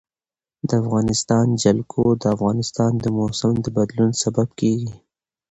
د افغانستان جلکو د افغانستان د موسم د بدلون سبب کېږي.